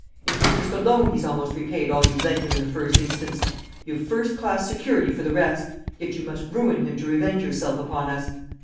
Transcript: In interest alone he's almost repaid all you lent him in the first instance; you've first class security for the rest; yet you must ruin him to revenge yourself upon us.